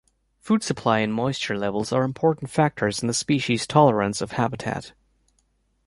Food supply and moisture levels are important factors in the species' tolerance of habitat.